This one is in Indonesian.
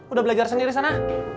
udah belajar sendiri sana